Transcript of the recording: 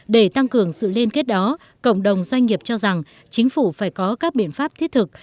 để tăng cường sự liên kết đó cộng đồng doanh nghiệp cho rằng chính phủ phải có các biện pháp thiết thực